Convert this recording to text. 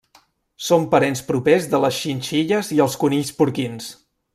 Són parents propers de les xinxilles i els conills porquins.